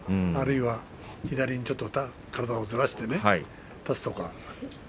あるいは左ちょっとずらして立つとか。